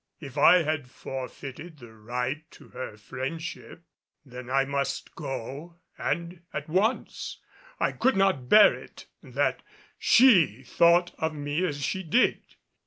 If I had forfeited the right to her friendship, then I must go and at once. I could not bear it that she thought of me as she did.